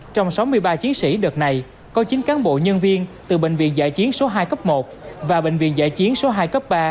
trong sáu mươi ba chiến sĩ đợt này có chín cán bộ nhân viên từ bệnh viện dạ chiến số hai cấp một và bệnh viện giải chiến số hai cấp ba